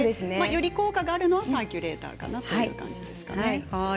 より効果があるのはサーキュレーターという感じですね。